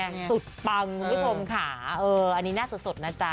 สุดปังคุณผู้ชมค่ะเอออันนี้หน้าสดนะจ๊ะ